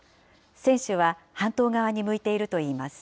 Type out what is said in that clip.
船首は半島側に向いているといいます。